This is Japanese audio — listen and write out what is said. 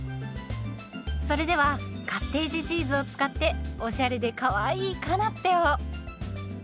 それではカッテージチーズを使っておしゃれでかわいいカナッペを。